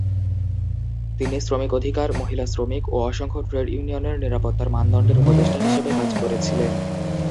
তিনি শ্রমিক অধিকার, মহিলা শ্রমিক ও অসংখ্য ট্রেড ইউনিয়নের নিরাপত্তার মানদণ্ডের উপদেষ্টা হিসেবে কাজ করেছিলেন।